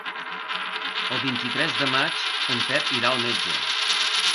El vint-i-tres de maig en Pep irà al metge.